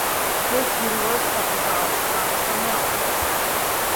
مس Universe کا اعزاز France کے نام